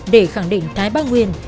để khẳng định thái bang nguyên